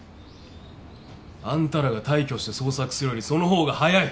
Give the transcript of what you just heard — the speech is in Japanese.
あんたらが大挙して捜索するよりその方が早い。